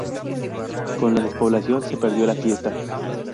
Con la despoblación se perdió la fiesta.